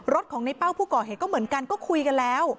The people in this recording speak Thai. รถของในเป้าผู้ก่อเหตุก็เหมือนกันก็คุยกันแล้ว